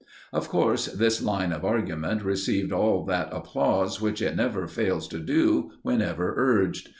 Of course, this line of argument received all that applause which it never fails to do whenever urged.